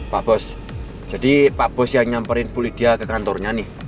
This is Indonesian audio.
pak bos jadi pak bos yang nyamperin pulih dia ke kantornya nih